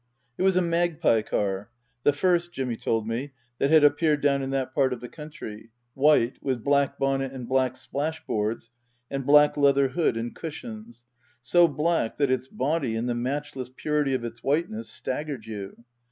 It was a magpie car the first, Jimmy told me, that had appeared down in that part of the country white, with black bonnet and black splashboards, and black leather hood and cushions ; so black that its body, in the matchless purity of its whiteness, staggered you.